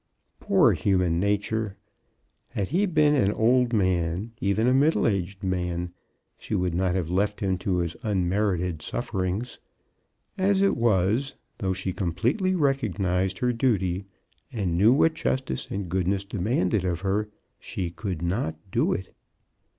Poor human nature ! Had he been an old man, even a middle aged man, she would not have left him to his unmerited sufferings. As it was, though she completely recognized her duty, and knew what justice and goodness demanded of her, she could not do it.